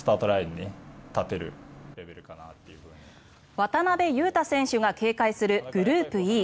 渡邊雄太選手が警戒するグループＥ。